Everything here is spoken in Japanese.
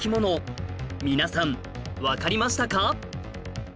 皆さんわかりましたか？